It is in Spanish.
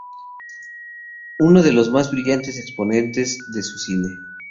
Es uno de los más brillantes exponentes de su cine.